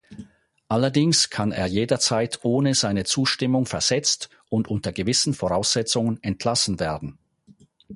Allerdings kann er jederzeit ohne seine Zustimmung versetzt und unter gewissen Voraussetzungen entlassen werden.